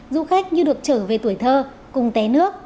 du khách như được trở về tuổi thơ cùng té nước